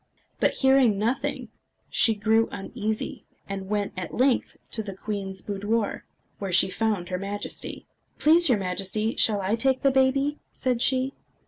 But hearing nothing, she grew uneasy, and went at length to the queen's boudoir, where she found her Majesty. "Please, your Majesty, shall I take the baby?" said she.